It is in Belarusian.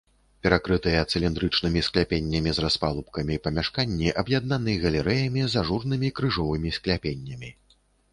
Перакрытыя цыліндрычнымі скляпеннямі з распалубкамі памяшканні аб'яднаны галерэямі з ажурнымі крыжовымі скляпеннямі.